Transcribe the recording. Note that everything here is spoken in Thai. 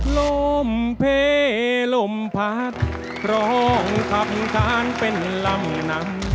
ลมเพลลมพัดพร้อมขับฐานเป็นลำน้ำ